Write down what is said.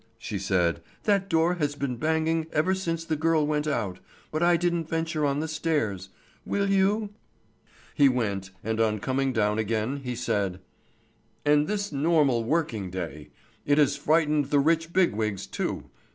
she said. "That door has been banging ever since the girl went out, but I didn't venture on the stairs. Will you?" He went, and on coming down again he said: "And this normal working day it has frightened the rich big wigs too.